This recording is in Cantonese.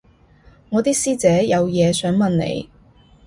我啲師姐有嘢想問你